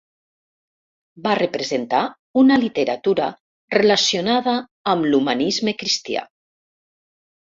Va representar una literatura relacionada amb l'humanisme cristià.